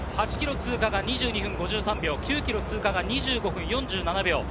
８ｋｍ通過が２２分５３秒、９ｋｍ通過が２５分４７秒。